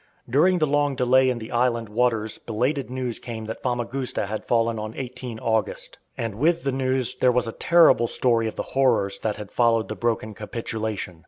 During the long delay in the island waters belated news came that Famagusta had fallen on 18 August, and with the news there was a terrible story of the horrors that had followed the broken capitulation.